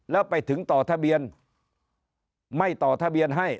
แล้วไปถึงต่อทะเบียนไม่ต่อทะเบียนให้